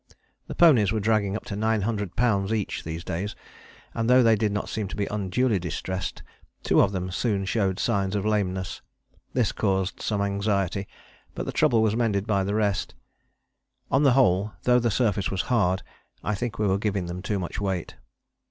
The ponies were dragging up to 900 lbs. each these days, and though they did not seem to be unduly distressed, two of them soon showed signs of lameness. This caused some anxiety, but the trouble was mended by rest. On the whole, though the surface was hard, I think we were giving them too much weight.